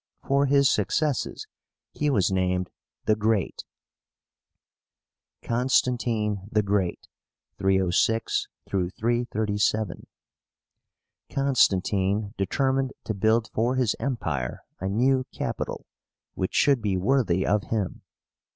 For his successes he was named the GREAT. CONSTANTINE THE GREAT (306 337). Constantine determined to build for his Empire a new capital, which should be worthy of him.